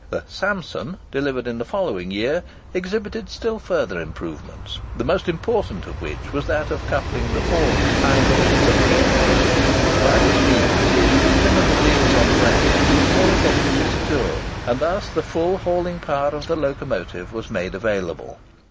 The "Samson," delivered in the following year, exhibited still further improvements, the most important of which was that of coupling the fore and hind wheels of the engine. By this means, the adhesion of the wheels on the rails was more effectually secured, and thus the full hauling power of the locomotive was made available.